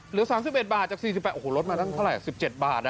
เหลือสามสิบเอ็ดบาทจากสี่สิบแปดโอ้โฮลดมาตั้งเท่าไรสิบเจ็ดบาทอ่ะ